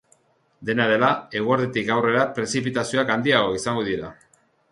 Dena dela, eguerditik aurrera prezipitazioak handiagoak izango dira.